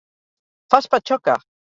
Fas patxoca!